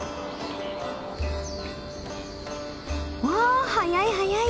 わ速い速い！